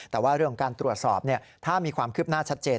แต่ว่าเรื่องของการตรวจสอบถ้ามีความคืบหน้าชัดเจน